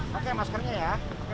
pakai maskernya ya